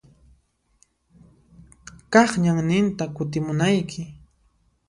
Kaq ñanninta kutimunayki.